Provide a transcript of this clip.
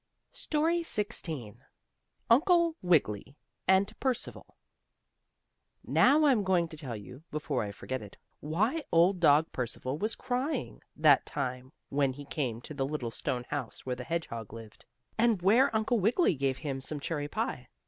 STORY XVI UNCLE WIGGILY AND PERCIVAL Now I'm going to tell you, before I forget it, why old dog Percival was crying that time when he came to the little stone house where the hedgehog lived, and where Uncle Wiggily gave him some cherry pie.